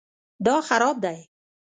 دا خراب دی